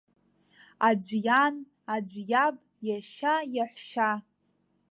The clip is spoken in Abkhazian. Аӡә иан, аӡә иаб, иашьа, иаҳәшьа.